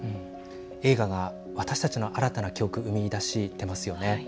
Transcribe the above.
映画が私たちの新たな教訓生み出してますよね。